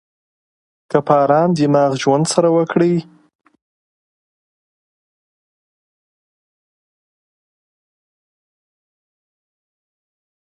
که په آرام دماغ ژوند سره وکړي.